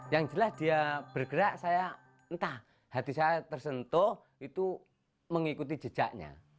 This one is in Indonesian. yang jelas dia bergerak saya entah hati saya tersentuh itu mengikuti jejaknya